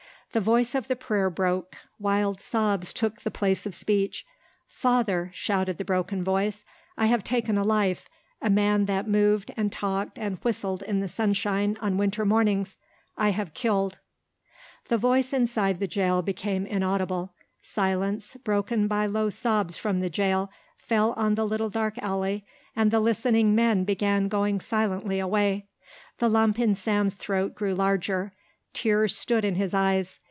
The voice of the prayer broke. Wild sobs took the place of speech. "Father!" shouted the broken voice, "I have taken a life, a man that moved and talked and whistled in the sunshine on winter mornings; I have killed." The voice inside the jail became inaudible. Silence, broken by low sobs from the jail, fell on the little dark alley and the listening men began going silently away. The lump in Sam's throat grew larger. Tears stood in his eyes.